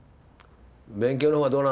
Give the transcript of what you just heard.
勉強の方はどうなんだ？